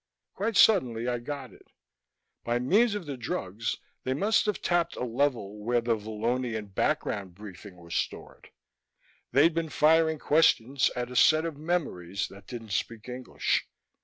Quite suddenly I got it. By means of the drugs they must have tapped a level where the Vallonian background briefing was stored: they'd been firing questions at a set of memories that didn't speak English.